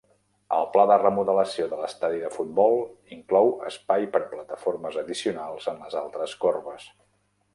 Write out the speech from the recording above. El pla de remodelació de l'estadi de futbol inclou espai per a plataformes addicionals en les altres corbes.